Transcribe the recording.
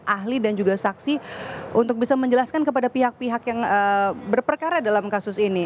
ahli dan juga saksi untuk bisa menjelaskan kepada pihak pihak yang berperkara dalam kasus ini